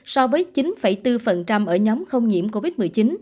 so với chín bốn ở nhóm không nhiễm covid một mươi chín